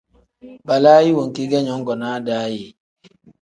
Balaayi wenki ge nyongonaa daa ye ?